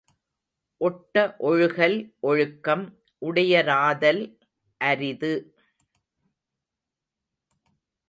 ஒட்ட ஒழுகல் ஒழுக்கம் உடையராதல் அரிது.